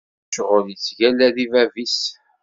Yir ccɣel ittgalla di bab-is.